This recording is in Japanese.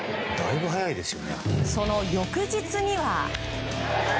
その翌日には。